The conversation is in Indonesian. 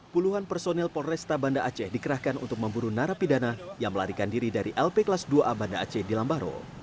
puluhan personil polresta banda aceh dikerahkan untuk memburu narapidana yang melarikan diri dari lp kelas dua a banda aceh di lambaro